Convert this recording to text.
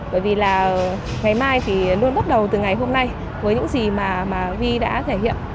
bởi vì là ngày mai thì luôn bắt đầu từ ngày hôm nay với những gì mà vi đã thể hiện